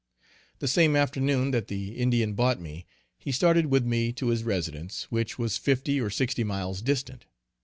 The same afternoon that the Indian bought me, he started with me to his residence, which was fifty or sixty miles distant.